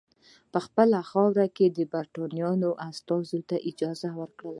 په خپله خاوره کې د برټانیې استازو ته اجازه ورکړي.